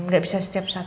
gak bisa setiap saat